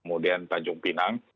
kemudian tanjung pinang